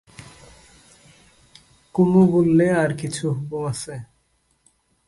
কুমু বললে, আর-কিছু হুকুম আছে?